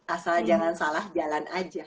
asal jangan salah jalan aja